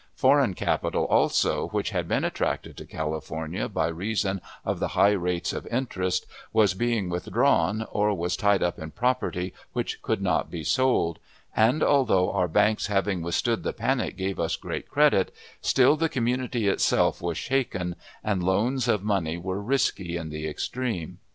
Foreign capital, also, which had been attracted to California by reason of the high rates of interest, was being withdrawn, or was tied up in property which could not be sold; and, although our bank's having withstood the panic gave us great credit, still the community itself was shaken, and loans of money were risky in the extreme.